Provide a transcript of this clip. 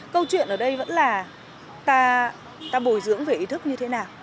câu chuyện ở đây vẫn là ta bồi dưỡng về ý thức như thế nào